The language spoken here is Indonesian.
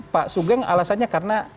pak sugeng alasannya karena